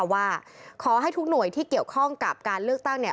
ว่าขอให้ทุกหน่วยที่เกี่ยวข้องกับการเลือกตั้งเนี่ย